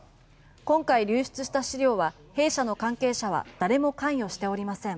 今回流出した資料は弊社の関係者は誰も関与しておりません。